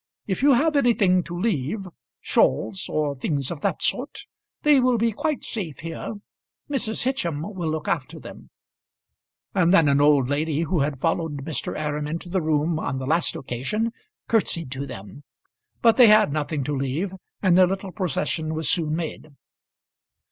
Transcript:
If you have anything to leave, shawls, or things of that sort, they will be quite safe here: Mrs. Hitcham will look after them." And then an old woman who had followed Mr. Aram into the room on the last occasion curtsied to them. But they had nothing to leave, and their little procession was soon made.